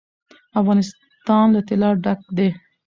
افغانستان له طلا ډک دی.